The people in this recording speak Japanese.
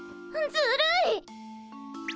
ずるい？